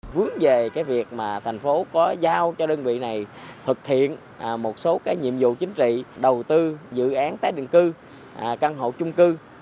vướng về cái việc mà thành phố có giao cho đơn vị này thực hiện một số cái nhiệm vụ chính trị đầu tư dự án tái định cư căn hộ chung cư